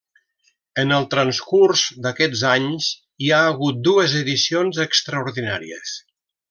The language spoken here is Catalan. En el transcurs d'aquests anys hi ha hagut dues edicions extraordinàries.